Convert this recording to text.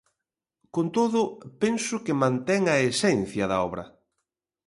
Con todo, penso que mantén a esencia da obra.